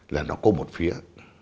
là nó có một phía